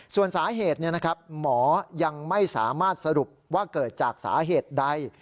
ส่วนสาเหตุหมอยังไม่สามารถสรุปว่าเกิดจากสาเหตุใด